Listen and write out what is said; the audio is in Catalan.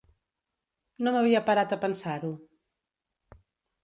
No m’havia parat a pensar-ho.